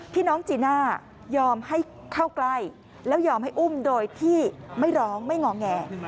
น้องจีน่ายอมให้เข้าใกล้แล้วยอมให้อุ้มโดยที่ไม่ร้องไม่งอแง